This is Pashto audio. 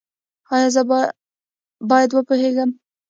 ایا زه باید وپوهیږم؟